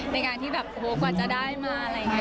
ในการที่แบบโอ้โหกว่าจะได้มาอะไรอย่างนี้